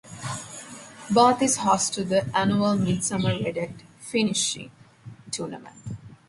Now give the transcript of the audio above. Bath is host to the annual midsummer Redneck Fishing Tournament.